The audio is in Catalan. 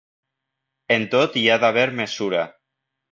En tot hi ha d'haver mesura.